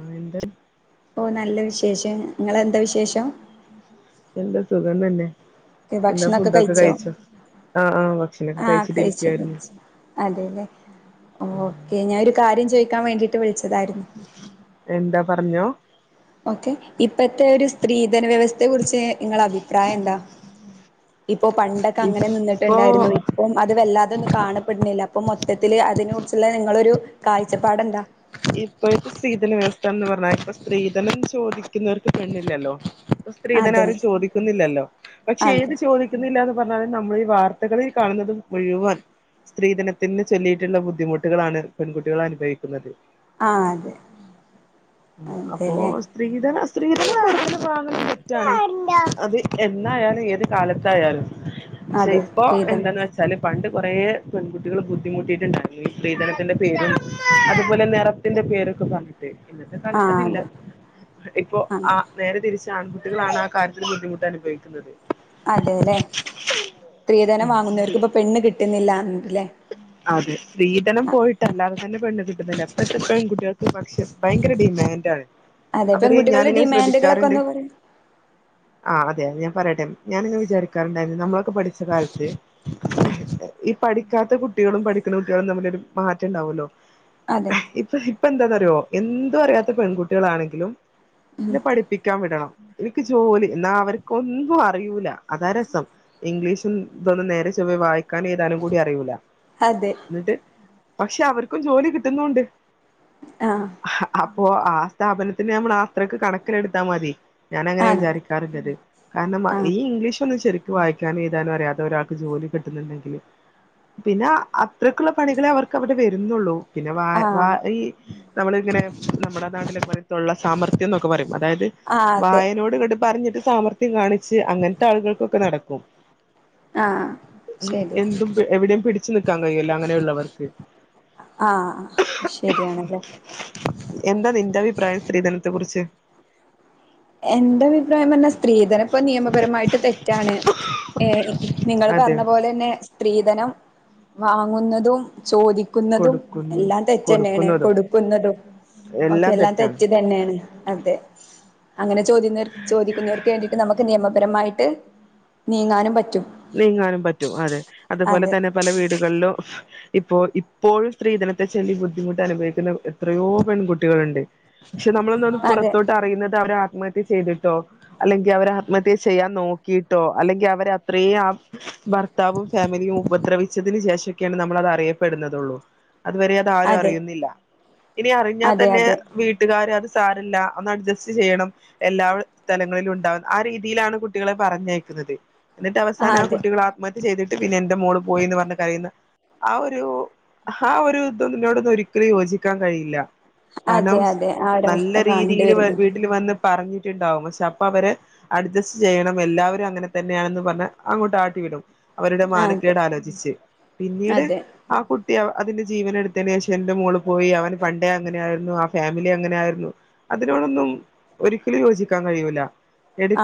ആഹ് എന്ത ഓഹ് നല്ല വിശേഷം. ഇങ്ങളെന്താ വിശേഷം? എന്താ സുഖം തന്നെ. എന്നാ ഫുഡൊക്കെ കഴിച്ചോ ആഹ് ആഹ് ഭക്ഷണൊക്കെ ആഹ് കഴിച്ചു കഴിച്ചിട്ടിരിക്ക്യായിരുന്നു. കഴിച്ചു അതെല്ലേ ഓക്കേ. ഞാ ഒരു കാര്യം ചോദിക്കാൻ വേണ്ടീട്ട് വിളിച്ചതായിരുന്നു എന്താ പറഞ്ഞോ ഓക്കെ. ഇപ്പത്തെ ഒരു സ്ത്രീധന വ്യവസ്ഥയെ കുറിച്ച് ഇങ്ങളഭിപ്രായെന്താ? ഇപ്പൊ പണ്ടൊക്കെ അങ്ങനെ ഇപ്പൊ നിന്നിട്ടുണ്ടായിരുന്നു. ഇ പ്പം അത് വല്ലാതെ ഒന്നും കാണപ്പെട്ണില്ല. അപ്പം മൊത്തത്തില് അതിനെ കുറിച്ചുള്ള നിങ്ങളൊരു കാഴ്ചപ്പാടെന്താ? ഇപ്പഴ്ത്തെ സ്ത്രീധന വ്യവസ്ഥാന്ന് പർഞ്ഞാ ഇപ്പ സ്ത്രീധനം ചോദിക്കുന്നവർക്ക് പെണ്ണില്ലല്ലോ. ഇപ്പം അതെ സ്ത്രീധനാരും ചോദിക്കുന്നില്ലല്ലോ പക്ഷെ അതെ ഏത് ചോദി ക്കുന്നില്ലാന്ന് പർഞ്ഞാലും നമ്മളീ വാർത്തകളിൽ കാണുന്നത് മുഴുവൻ സ്ത്രീധനത്തിന്ന് ചൊല്ലീട്ടുള്ള ബുദ്ധിമുട്ടുകളാണ് പെൺകുട്ടികൾ അനുഭവിക്കുന്നത് ആഹ് അതെ അപ്പോ അതെല്ലേ സ്ത്രീധന സ്ത്രീധനം കൊടുക്കുന്നതും വാങ്ങുന്നതും തെറ്റാണ്. അത് എന്നായാലും ഏത് കാലത്തായാലും പക്ഷെ അതെ ഇപ്പൊ സ്ത്രീധന എന്താന്ന് വെച് ച്ചാല് പണ്ട് കൊറേ പെൺകുട്ടികള് ബുദ്ധിമുട്ടിയിട്ടുണ്ടായിരുന്നു ഈ സ്ത്രീധനത്തിന്റെ പേരിൽ അതുപോലെ നെറ ത്തിന്റെ പേരൊക്കെ പർഞ്ഞി ട്ട് ഇന്നത്തെ കാലത്ത് ആഹ് അതില്ല. അതെ ഇപ്പോ ആ ആഹ് നേരെ തിരിച്ച് ആൺകുട്ടികളാണാ കാര്യയത്തില് ബുദ്ധിമുട്ടനുഭവിക്കുന്നത്. അതേല്ലെ. സ്ത്രീധനം വാങ്ങുന്നവർക്ക് ഇപ്പ പെണ്ണ് കിട്ടുന്നില്ലാന്ന് ല്ലെ അതെ. സ്ത്രീധനം പോയിട്ട് അല്ലാതെ തന്നെ പെണ്ണ് കിട്ടുന്നില്ല ഇപ്പത്തെ പെൺകുട്ടികൾക്ക് പക്ഷെ ഭയങ്കര ഡിമേൻ്റാണ്. അതെ അവര് പെൺകുട്ടികളുടെ ഞാനിങ്ങനെ ഡിമാൻഡുകളൊക്കെ ശ്രദ്ധിക്കാറ്ണ്ട് ഒന്ന് പറയ് ആഹ് അതെ. ഞാൻ പറയട്ടെ ഞാനിങ്ങനെ വിചാരിക്കാറുണ്ടായിരുന്നു നമ്മളൊക്കെ പഠിച്ച കാലത്ത് ഉം ഈ പഠിക്കാത്ത കുട്ടികളും പഠിക്ക്ണ കുട്ടികളും തമ്മിലൊരു മാറ്റണ്ടാവൊല്ലോ അതെ ഇപ്പ ഇപ്പ എന്താന്നറിയോ എന്തു അറിയാത്ത പെൺകുട്ടികളാണെങ്കിലും ഉം പിന്നെ പഠി പ്പിക്കാൻ വിടണം എനിക്ക് ജോലി ന്നാ അവർക്കൊന്നും അറിയൂല അതാ രസം. ഇംഗ്ലീഷും ഇതൊന്നും നേരെ ചൊവ്വേ വായിക്കാനും ഏഴുതാനും കൂടി അറിയൂല്ല ഹതെ ഇന്നട്ട് പക്ഷെ അവർക്കും ജോലി കിട്ടുന്നൂണ്ട് ആഹ് അപ്പൊ ആ സ്ഥാപനത്തിന് നമ്മള ത്രക്ക് കണക്കിലെടുത്താ മതി. ഞാൻ അങ്ങനെ അതെ വിചാരിക്കാറ്ല്ലത്. കാരണം ആഹ് ഈ ഇംഗ്ലീഷ് ഒന്നും ശെ വായിക്കാനും എഴുതാനും അറിയാദേ ഒരാൾക്ക് ജോലി കിട്ടുന്നുണ്ടെങ്കിൽ പിന്നെ അത്രയ്ക്കുള്ള പണികളെ അവർക്ക് അവിടെ വരുന്നുള്ളൂ പിന്നെ വ വാ ആഹ് ഈ നമ്മള് ഇങ്ങനെ നമ്മുടെ നാടില് പോലെ തൊള്ള സാമർഥ്യം എന്നൊക്കെ പറയും അതായത് ആഹ് അതെ വായനോട് കട്ട് പറഞ്ഞിട്ട് സമാർഥ് കാണിച്ച് അങ്ങനത്തെ ആളുകൾക്കൊക്കെ നടക്കും ആഹ് ശരിയാ എന്തും എവിടെയും പിടിച്ച് നിക്കാൻ കഴിയുല്ല ആഹ് ശരിയാണല്ലേ എന്താ നിന്റെ അഭിപ്രായം സ്ത്രീധനത്തെ കുറിച്ച് എന്റെ അഭിപ്രായം പറഞ്ഞാൽ സ്ത്രീധനം ഇപ്പോ നിയമപരമായിട്ട് തെറ്റാണ് ഏഹ് നിങ്ങൾ അതെ പറഞ്ഞ പോലെ തന്നെ സ്ത്രീധനം വാങ്ങുന്നതും ചോദി ക്കുന്നതും കൊടുക്കുന്നു എല്ലാം തെറ്റ് തന്നയാണ് കൊടുക്കുന്നതും കൊടുക്കുന്നതും ഓക്കെ എല്ലാം തെറ്റ് തന്നെയാണ് അതെ അങ്ങനെ ചോദ്യം നേർ ചോദിക്കുന്നവർക്ക് വേണ്ടിട്ട് നമുക്ക് നിയമപരമായിട്ട് നീങ്ങാനും പറ്റും നീങ്ങാനും പറ്റും അതെ അതുപോലെ അതെ തന്നെ പല വീടുകളിലും ഇപ്പോ ഇപ്പോഴും സ്ത്രീധനത്തെ ചൊല്ലി ബുദ്ധിമുട്ട് അനുഭവിക്കുന്ന എത്രയോ പെൺകുട്ടികളുണ്ട് പക്ഷെ നമ്മളൊന്നും അത് അതെ പുറത്തോ അറിയുന്നത് അവർ ആത്മഹത്യ ചെയ്തിട്ടോ അല്ലെങ്കി അവർ ആത്മഹത്യ ചെയ്യാൻ നോക്കിയിട്ടോ അല്ലെങ്കി അവ അത്രേ ആഹ് ഭർത്താവും ഫാമിലിയും ഉപദ്രവിച്ചതിന് ശേഷമൊക്കെയാണ് നമ്മള് അത് അറിയപ്പെടുന്നതള്ളൂ അതുവരെ അത് ആരും അതെ അറിയുന്നില്ല ഇനി അറിഞ്ഞാൽ അതെ തന്നെ അതെ വീ കാര് അത് സാാരില്ല ഒന്ന് അഡ്ജസ്റ്റ് ചെയ്യണം എല്ലാ സ്ഥലങ്ങളിലും ഉണ്ടാവുന്ന ആഹ് രീതിയിലാണ് കുട്ടികളെ പറഞ്ഞയക്കുന്നത് എന്നിട്ട് ആ അവസാനം ആഹ് അതെ കുട്ടികൾ ആത്മഹത്യ ചെയ്തിട്ട് പിന്നെ എന്റെ മോള് പോയി എന്ന് പറഞ്ഞ കരയുന്ന ആഹ് ഒരു ആഹ് ഒരു ഇതിനോടൊന്നും ഒരിക്കലും യോജി ക്കാൻ കഴിയില്ല കാരണം അതെ അതെ ആ നല്ല ഒരവസ്ഥ കണ്ട് രീതിൽ വരുന്നുണ്ട് വീട്ടിൽ വന്ന് പറഞ്ഞിട്ടുണ്ടാവും പക്ഷെ അപ്പ അവര് അഡ്ജസ്റ്റ് ചെയ്യണം എല്ലാവരും അങ്ങനെ തൻ തന്നെയാണെന്ന് പറഞ്ഞ അങ്ങോട്ട് ആട്ടി വിടും അവരുടെ ആ അതെ മാനക്കേട് ആലോചിച്ച് പിന്നീട് അതെ ആഹ് കുട്ടി അതിന്റെ ജീവൻ എടുത്തതിനു ശേഷം എന്റെ മോള് പോയി അവൻ പണ്ടേ അങ്ങനെ ആരുന്നു ആഹ് ഫാമിലി അങ്ങനെ ആയിരുന്നു അതിനോടൊന്നും ഒരിക്കലും യോജിക്കാൻ കഴിയൂല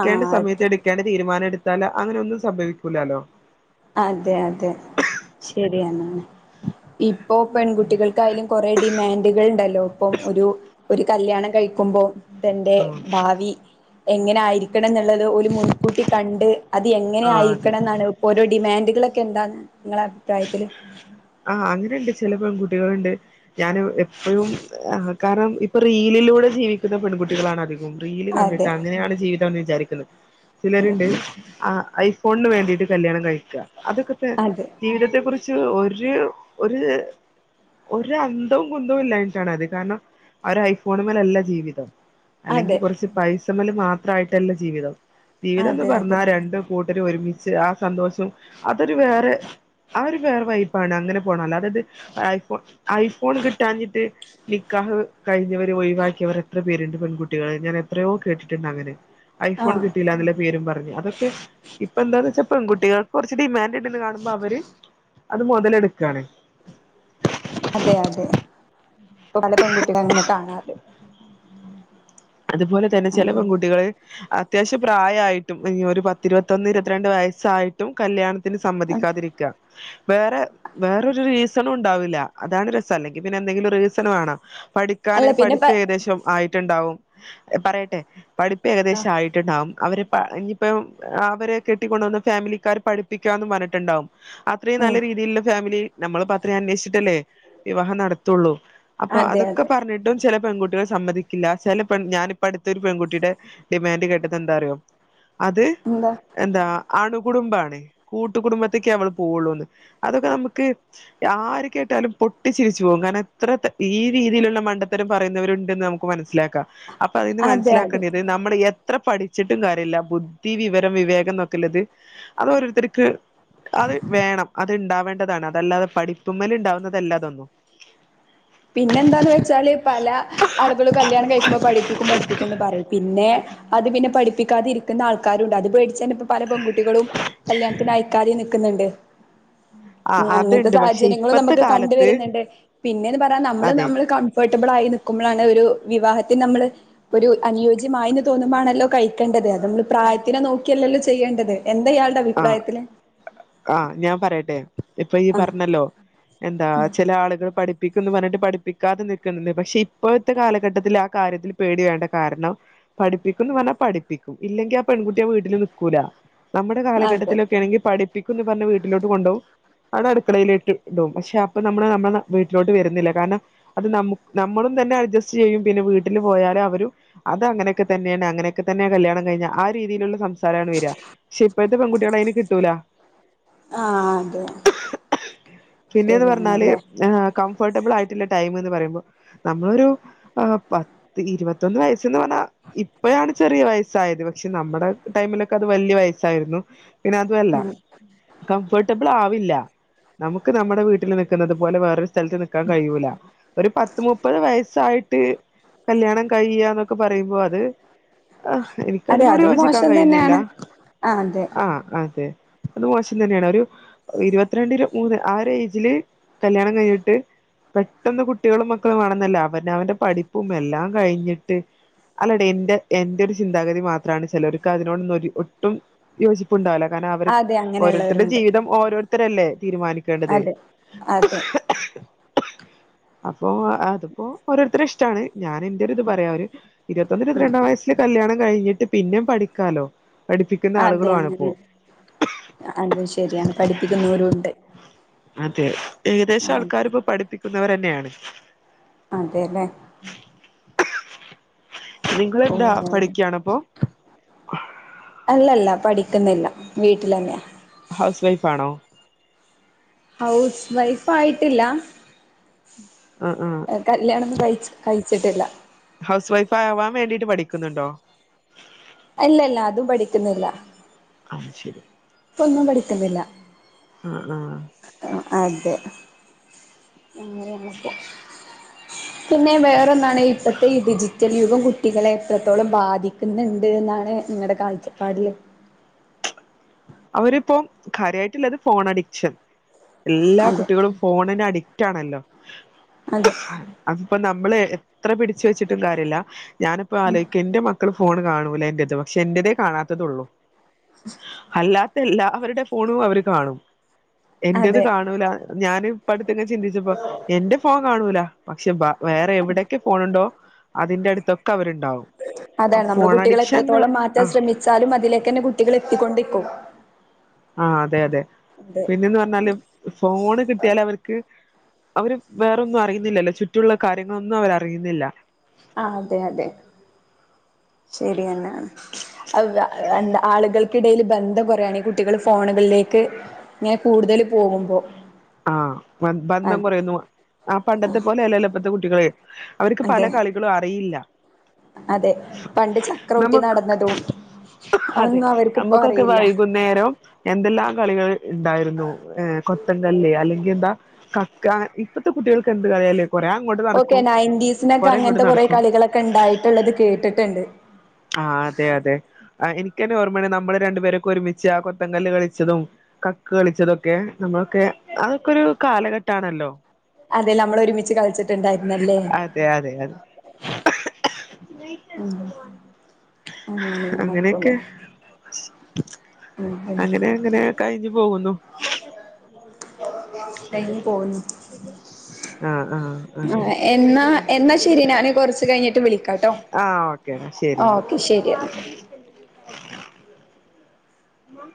ആ സമയത്ത് എടു ക്കേണ്ട തീരുമാനം എടുത്താല് അങ്ങനെ ഒന്നും സംഭവിക്കൂലല്ലോ അതെ അതെ ശരിയാണ് ഇപ്പൊ പെൺകുട്ടികൾക്കായാലും കുറെ ഡിമാൻഡുകൾ ഉണ്ടല്ലോ ഇപ്പം ഒരു ഒരു കല്യാണം കഴിക്കുമ്പോ തന്റെ ആ ഭാവി എങ്ങനെ ആയിരിക്കണം എന്നുള്ളത് ഒരു മുൻകൂട്ടി കണ്ട് അത് എങ്ങനെ ആ അതെ ആയിരിക്കണം എന്നാണ് ഇപ്പോ ഓരോ ഡിമാൻഡുകളൊക്കെ എന്താന്ന് നിങ്ങളുടെ അഭിപ്രായത്തില് ആഹ് അങ്ങനെയൊണ്ട് ചില പെൺകുട്ടികളുണ്ട് ഞാൻ എപ്പഴും കാരണം ഇപ്പൊ റീലിലൂടെ ജീവിക്കുന്ന പെൺകുട്ടികളാണ് അധി റീലിൽ കണ്ടിട്ട് അതെ അങ്ങനെയാണ് ജീവിതം എന്ന് വിചാരിക്കുന്ന ചിലരുണ്ട് ഐഫോണിന് വേണ്ടിട്ട് കല്യാണം കഴിക്കുക അതൊക്കെ ത അതെ ജീവിതത്തെ കുറിച്ച് ഒരു ഒരു ഒരന്തോം കുന്തോം ഇല്ലാഞ്ഞിട്ടാണത് കാരണം ഒരഐഫോണുമേലല്ല ജീവിതം അല്ലെങ്കി അതെ കൊർച്ച് പൈസമ്മേല് മാത്രായിട്ടല്ല ജീവിതം ജീവിതം എന്ന് അതെ അതെ പർഞ്ഞാ രണ്ടു കൂട്ടര് ഒരുമിച്ച് ആഹ് സന്തോഷം അതൊരു വേറെ ആഹ് ഒര് വേറെ വൈപാണ് അങ്ങനെ പോണെ അല്ലാതെത് ഐഫോ ഐഫോൺ കിട്ടാഞ്ഞിട്ട് നിക്കാഹ് കഴിഞ്ഞവര് ഒഴിവാക്കിയവർ എത്ര പേര്ണ്ട് പെൺകുട്ടികള് ഞാൻ എത്രയോ കേട്ടിട്ട്ണ്ട് അങ്ങനെ ഐഫോൺ ആഹ് കിട്ടല്ലാന്ന്ലാ പേരും പറഞ്ഞു അതൊക്കെ ഇപ്പൊ എന്താന്ന് വെച്ച പെക്കുട്ടികൾക്ക് കുറച്ച് ഡിമാൻഡ് ഇടന്ന് കാണുമ്പോ അവര് അത് മുതെലെട്ക്കാണ് അതെ അതെ ഇപ്പോ പെൺകുട്ടികള് അങ്ങനെ കാണാറ് അത്പോലെ തന്നെ ചെല അതെ പെൺകുട്ടികള് അത്യാവശ്യം പ്രായായിട്ടും ഒര് പത്തിരുപത്തൊന്ന് ഇരത്രണ്ട് വയസ്സായിട്ടും കല്യാണത്തിന് സമ്മതിക്കാതിരി വേറെ വേറൊരു റീസണുണ്ടാവില്ല അതാണ് രസം അല്ലെങ്കി പിന്നെ എന്തെങ്കിലു റീസണ് വേണം പഠി ക്കാന് അല്ല പിന്നെ പ പഠിപ്പ് ഏകദേശം ആയിട്ടുണ്ടാവും പറയട്ടെ പഠിപ്പ് ഏകദേശം ആഹ് ആയിട്ടുണ്ടാവും അവരെ ഇഞ്ഞി ഇപ്പം അവരെ കെട്ടിക്കൊണ്ടന്ന ഫാമിലിക്കാര് പഠിപ്പിക്കാന്ന് പർഞ്ഞിട്ട്ണ്ടാവും അത്രീം ഉം നല്ല രീതിയില്ള്ള ഫാമിലി നമ്മളിപ്പോ അത്രീം അന്വേഷ്ച്ച്ട്ടല്ലേ വിവാഹം നടത്തൊള്ളൂ അപ്പൊ അതെ അതൊക്കെ അതെ പർഞ്ഞിട്ടും ചെല പെൺകുട്ടികൾ സമ്മതിക്കില്ല ചെല ഞാനിപ്പ അടുത്തൊരു പെൺകുട്ടിയുടെ ഡിമാൻഡ് കേട്ടത് എന്താറിയോ അത് എന്താ എന്താ അണുകുടുംബാണ് കൂട്ടുകുടുംബത്തേക്കേ അവള് പോവൊള്ളൂന്ന് അതൊക്കെ നമക്ക് ആര് കേട്ടാലും പൊട്ടിച്ചിരിച്ചു പോകും കാരണം ഇത്ര ഈ രീതിയ്ല്ള്ള മണ്ടത്തരം പറയുന്നവര്ണ്ടെന്ന് നമു ക്ക് മനസ്സിലാക്ക അപ്പൊ അതിന്ന് അതെ അതെ മനസ്സിലാക്കേണ്ട്യത് നമ്മള് എ ത്ര പഠിച്ചിട്ടും കാര്യല്ല ബുദ്ധി വിവരം വിവേകംന്നൊക്കെള്ളത് അത് ഓരോത്തര്ക്ക് അത് വേണം അത് ഇണ്ടാവേണ്ടതാണ് അതല്ലാതെ പഠിപ്പ്മല് ഇണ്ടാവുന്നതല്ലാ അതൊന്നും പിന്നെ എന്താന്ന് വെച്ചാല് പല ആളുകളും കല്യാണം കഴിക്കുമ്പോ പഠിപ്പിക്കും പഠിപ്പിക്കുന്ന് പറയും പിന്നെ അത് പിന്നെ പഠിപ്പിക്കാതിരിക്കുന്ന ആൾകാരുണ്ട് അത് പേ ച്ചേനെ പല പെൺകുട്ടികളും കല്യാണത്തിന് അയക്കാതിം നിക്ക്ന്ന്ണ്ട് ആ ഉം അങ്ങൻത്തെ അതുണ്ട് പക്ഷെ സാഹചര്യങ്ങളും ഇപ്പത്തെ നമക്ക് കണ്ട് കാലത്ത് വെര്ന്ന്ണ്ട് പിന്നേന്ന് പറയാ നമ്മള് അതെ നമ്മള് കൺഫേർട്ട്ബിളായി നിക്കുമ്പളാണ് ഒരു വിവാഹത്തിന് നമ്മള് ഒരു അനുയോജ്യമായീന്ന് തോന്നുമ്പാണല്ലോ കഴിക്കേണ്ടത് അത് നമ്മള് പ്രായത്തിനെ നോക്കിയല്ലല്ലോ ചെയ്യേണ്ടത് എന്ത ഇയാൾടെ ആ അഭിപ്രായത്തില് ആഹ് ഞാൻ പറയട്ടെ ഇപ്പൊ ഈ ആഹ് പറഞ്ഞല്ലോ എന്താ ചെല ആള്കള് പഠിപ്പിക്കുന്ന് പർഞ്ഞിട്ട് പഠിപ്പിക്കാതെ നിക്ക്ന്നെന്ന് പക്ഷെ ഇപ്പോഴത്തെ കാലഘട്ടത്തില് ആ കാര്യത്തില് പേട്യാവേണ്ട കാരണം പഠിപ്പിക്കുന്ന് പർഞ്ഞാ പഠിപ്പിക്കും ഇല്ലെങ്കി ആ പെൺകുട്ടി ആ വീട്ടില് നിക്കൂല അതെ ഘട്ടത്തിലൊക്കേണെങ്കില് പിപ്പിക്കുന്ന് പർഞ്ഞ് വീട്ടിലോട്ട് കൊണ്ടോവും അവിടെ അടുക്കളയിലേട്ട് ഇടും പക്ഷെ അപ്പൊ നമ്മള് നമ്മളെ വീട്ടിലോട്ട് വര്ന്നില്ല കാരണം അത് നമു നമ്മള് തന്നെ അഡ്ജസ്റ്റ് ചെയ്യും പിന്നെ വീട്ടില് പോയാല് അവരും അത് അങ്ങനൊക്കെ തന്നേണ് അങ്ങനൊക്കെ തന്നേ കല്യാണം കഴിഞ്ഞാ ആ രീതീല്ള്ള സംസാരാണ് വെരാ പക്ഷെ ഇപ്പഴത്തെ പെൺകുട്യാളെ ഐന് കിട്ടൂല ആഹ് അതെ പിന്നേന്ന് പർഞ്ഞാല് ശരിയാണല്ലേ കംഫേർട്ടബിളായിട്ട്ള്ള ടൈമ്ന്ന് പറയുമ്പൊ നമ്മളൊരു ആഹ് പത്ത് ഇരുപത്തൊന്ന് വയസ്സ്ന്ന് പർഞ്ഞാ ഇപ്പയാണ് ചെറിയ വയസ്സായത് പക്ഷെ നമ്മടെ ടൈമിലൊക്കെ അത് വല്യാ വയസ്സായിരുന്നു പിന്നെ അതുല്ല ഉം കംഫർട്ടബിളാവില്ല നമുക്ക് നമ്മടെ വീട്ടില് നിക്കുന്നത് പോലെ വേറൊരു സ്ഥൽത്ത് നിക്കാൻ കയ്യൂല ഒരു പത്ത് മുപ്പത് വയസായിട്ട് കല്യാണം കഴിയാന്നൊക്കെ പറയുമ്പോ അത് ആഹ് എനിക്കതിനോട് യോചിക്കാൻ കഴിയുന്നില്ല ആഹ് അതെ ആഹ് അതെ അത് മോശം തന്നേണ് ഒര് ഇരുപത്തിരണ്ടില് മൂന്ന് ആ ഒരു ഏജില് കല്യാണം കഴിഞ്ഞിട്ട് പെട്ടെന്ന് കുട്ടികളും മക്കളും വേണെന്നല്ല അവനവന്റെ പഠിപ്പും എല്ലാം കഴിഞ്ഞിട്ട് അല്ലടേ എന്റെ എന്റെ ഒരു ചിന്താഗതി മാത്രമാണ് ചിലവർക്ക് അതിനോട് ഒട്ടും യോജിപ്പുണ്ടാവില്ല കാരണം അവർ അതെ ഓരോരുത്തരുടെ അങ്ങനെയുള്ളവരുണ്ട് ജീവിതം ഓരോരുത്തരല്ലേ തീരുമാനിക്കേണ്ടത് അതെ അതെ അപ്പോ അതിപ്പോ ഓരോരുത്തരെ ഇഷ്ട്ടാണ് ഞാന ഒരിത് പറയാം ഒരു ഇരത്തൊന്ന് ഉം ഇരുപത്രണ്ടാം വയസില് കല്യാണം കഴിഞ്ഞിട്ട് പിന്നേം പഠിക്കാലോ പഠിപ്പി നിക്കുന്ന അതെ ആളുകളു അങ്ങനെ ആണിപ്പോൾ അത് ശരിയാണ് പഠിപ്പിക്കുന്നൂരു ഉണ്ട് അതെ ഏകദേശം ആൾക്കാാര് ഇപ്പോ പഠിപ്പിക്കുന്നവര് തന്നെയാണ് അതേല്ലേ ഓ നിങ്ങളെന്താ പഠിക്കാണ്പ്പൊ അല്ലല്ല പഠിക്കുന്നില്ല വീട്ടിൽന്നെയാ ഹൗസ് വൈഫാണോ ഹൗസ് വൈഫ് ആയിട്ടില്ല ഉം ഉം കല്യാണൊന്നും കഴിച്ച് കഴിച്ചിട്ടില്ല ഹൗസ് വൈഫ് ആവാൻ വേണ്ടിട്ട് പഠിക്കുന്നുണ്ടോ അല്ല അല്ല അതു പഠിക്കുന്നില്ല ആഹ് ശരി ഇപ്പൊന്നും പഠിക്കുന്നില്ല ആ ആ അതെ ഇങ്ങനെയാണിപ്പൊ [inaudible] പിന്നെവേറൊന്നാണ് ഇപ്പോത്തെ ഈ ഡിജിറ്റൽ യുഗം കുട്ടികളെ എത്രത്തോളം ബാധിക്കുന്നുണ്ട് എന്നാണ് നിങ്ങളുടെ കാഴ്ചപാടില് അവരിപ്പോം കാര്യയിട്ടില്ലത് ഫോൺ അഡിക്ഷൻ എല്ലാ അതെ കുട്ടികളും ഫോണിന് അടിക്റ്റാണല്ലോ അതെ അതിപ്പോ നമ്മള് എത്ര പിടിച്ച് വെച്ചിട്ടും കാര്യല്ല ഞാനിപ്പോ ആലോയിക്ക ന്റെ മക്ക ൾ ഫോണ് കാണൂല എന്റേത് പക്ഷെ എന്റേത് കാണാത്തതൊള്ളൂ [inaudible] അല്ലാത്ത എല്ലാവരുടെ ഫോണും അവര് കാണും എന്റേത് അതെ കാണൂല ഞാന് ടുത്തെ തന്നെ ചിന്തിച്ചപ്പോ എന്റെ ഫോൺ കാണൂല പക്ഷെ ബാ വേറെ എവിടെക്കെ ഫോണുണ്ടോ അതിന്റെ അടുത്തൊക്കെ അവരുണ്ടാവും ആ ഫോൺ അഡിക്ഷൻന്ന് ആഹ് വച്ചാലും അതിലേക്ക് തന്നെ കുട്ടികൾ എത്തിക്കൊണ്ടിക്കും ആഹ് അതെ അതെ അതെ പിന്നെന്ന് പറഞ്ഞാല് ഫോണ് കിട്ടിയാൽ അവർക്ക് അവര് വേറൊന്നും അറിയുന്നില്ലല്ലോ ചുറ്റുള്ള കാര്യങ്ങളൊന്നും അവർ അറിയുന്നില്ല ആഹ് അതെ അതെ ശരി യാണ് എന്താ ആളുകൾക്കിടയില് ബന്ധം കൊറയാണ് കുട്ടികൾ ഫോണുകളിലേക്ക് ഇങ്ങനെ കൂടുതല് പോകുമ്പോ ആഹ് ബന്ധങ്ങൾ അതെ കുറയുന്നു ആഹ് പണ്ടത്തെ പോലെ അല്ലല്ലൊ ഇപ്പത്തെ കുട്ടികള് അവർക്ക് പല അതെ കളികളു അറിയില്ല അതെ പണ്ട് ചക്രം ഓട്ടി നമുക്ക് നടന്നതും അതെ അതൊന്നും അവർക്കിപ്പോ നമുക്കൊക്കെ അറിയില്ല വൈകുന്നേരം എന്തെല്ലാം കളികൾ ഇണ്ടായിരുന്നു ഏ കൊത്തങ്കല്ല് അല്ലെങ്കിൽ എന്ത കക്ക ഇപ്പഴത്തെ കുട്ടികൾക്ക് എന്ത് കളിയാലെ ഓക്കെ നയന്റീസിനൊക്കെ ഇങ്ങോട്ട് അങ്ങനത്തെ കൊറെേ നടക്കും കളികളൊക്കെ ഉണ്ടായിട്ടുള്ളത് കേട്ടിട്ട്ണ്ട് ആഹ് അതെ അതെ എനക്ക്ന്നെ ഓർമ്മയാണ് നമ്മള് രണ്ടുപേരൊക്കെ ഒരുമിച്ച് ആ കൊത്ത ങ്കല്ല് കളിച്ചതും കക്ക് കളിച്ചതൊക്കെ നമ്മളൊക്കെ അതൊക്കെരു കാലഘട്ടണല്ലോ അതെല്ലെ നമ്മള് ഒരുമിച്ച് കളിച്ചിട്ടുണ്ടായിരുന്നല്ലേ തെ അതെ അതെ ഉം അങ്ങനെയൊക്കെ [unintelligible] ഉം ഉം അങ്ങനെ അങ്ങനെ കഴിഞ്ഞു പോകുന്നു കഴിഞ്ഞ് പോക്ന്നു ആഹ് ആഹ് അതെ എന്നാ എന്നാ ശരി ഞാന് കൊറച്ച് കഴിഞ്ഞിട്ട് വിളിക്കാട്ടോ ആഹ് ഓക്കെ എന്നാ ശരി എന്നാ ഓക്കെ ശരിയെന്നാ. ഉമ്മാ